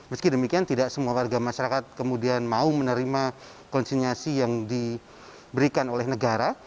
meski demikian tidak semua warga masyarakat kemudian mau menerima konsinyasi yang diberikan oleh negara